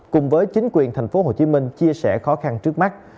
cùng với chính quyền thành phố hồ chí minh chia sẻ khó khăn trước mắt